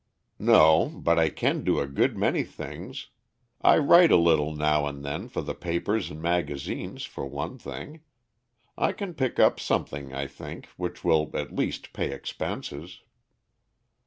"No, but I can do a good many things. I write a little now and then for the papers and magazines, for one thing. I can pick up something, I think, which will at least pay expenses."